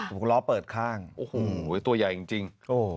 โอ้โฮตัวใหญ่จริง